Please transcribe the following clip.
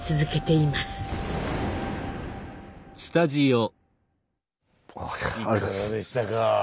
いかがでしたか。